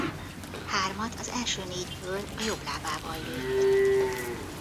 Hármat az első négyből a jobb lábával lőtt.